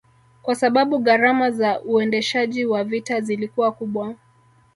kwasababu gharama za uendeshaji wa vita zilikuwa kubwa